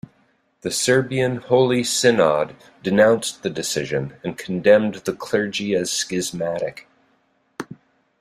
The Serbian Holy Synod denounced the decision and condemned the clergy as schismatic.